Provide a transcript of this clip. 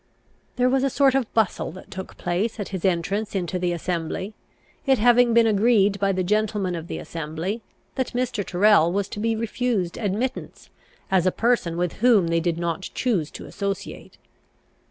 There was a sort of bustle that took place at his entrance into the assembly, it having been agreed by the gentlemen of the assembly, that Mr. Tyrrel was to be refused admittance, as a person with whom they did not choose to associate.